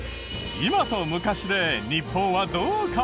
今と昔で日本はどう変わった？